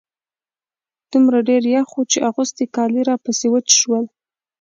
دومره ډېر يخ و چې اغوستي کالي راپسې وچ شول.